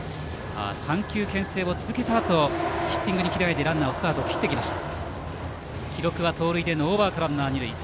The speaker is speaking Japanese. ３球けん制を続けたあとヒッティングに切り替えてランナーがスタートを切りました。